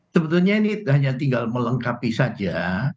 sebetulnya ini hanya tinggal melengkapi saja